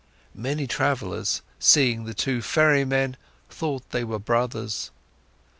Many travellers, seeing the two ferrymen, thought they were brothers.